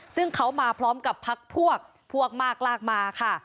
ซึ่งเขามาพร้อมกับพักพวกพวกมากลากมาค่ะ